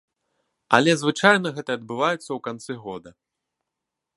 Але звычайна гэта адбываецца ў канцы года.